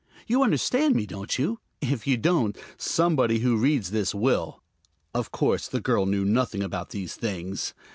You understand me, don't you? If you don't, somebody who reads this will. Of course, the girl knew nothing about these things.